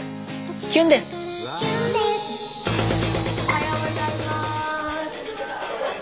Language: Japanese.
おはようございます。